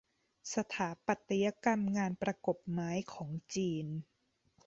สถาปัตยกรรมงานประกบไม้ของจีน